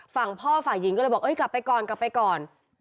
ฝั่งพ่อฝ่ายหญิงก็เลยบอกกลับไปก่อนกลับไปก่อน